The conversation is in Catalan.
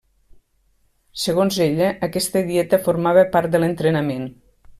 Segons ella, aquesta dieta formava part de l'entrenament.